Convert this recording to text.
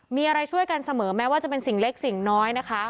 มีอะไรช่วยกันเสมอแม้ว่าจะเป็นสิ่งเล็กสิ่งน้อยนะคะ